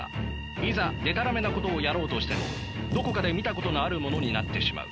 いざでたらめなことをやろうとしてもどこかで見たことのあるものになってしまう。